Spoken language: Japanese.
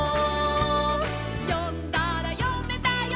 「よんだらよめたよ」